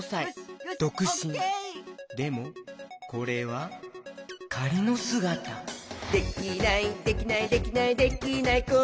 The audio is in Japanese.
でもこれはかりのすがた「できないできないできないできない子いないか？」